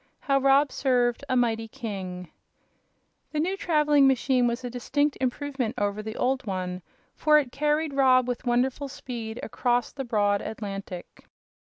10. How Rob Served a Mighty King The new traveling machine was a distinct improvement over the old one, for it carried Rob with wonderful speed across the broad Atlantic.